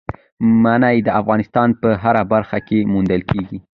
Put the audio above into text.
منی د افغانستان په هره برخه کې موندل کېږي.